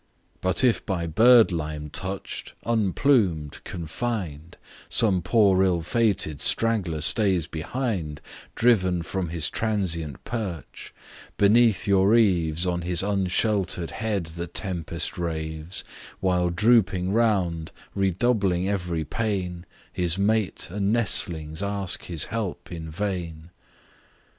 But if by bird lime touch'd, unplumed, confined, Some poor ill fated straggler stays behind, Driven from his transient perch, beneath your eaves On his unshelter'd head the tempest raves, While drooping round, redoubling every pain, His mate and nestlings ask his help in vain.